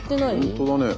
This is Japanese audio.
本当だね。